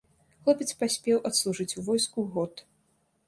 Хлопец паспеў адслужыць у войску год.